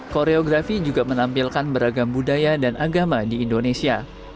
koreografi juga menampilkan beragam budaya dan agama di indonesia